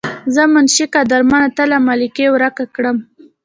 زۀ منشي قدرمند تا لۀ ملکه ورک کړم